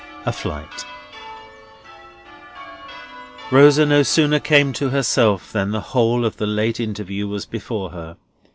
A FLIGHT Rosa no sooner came to herself than the whole of the late interview was before her.